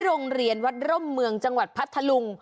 โรงเรียนวัดร่มเมืองจังหวัดพัทธลุง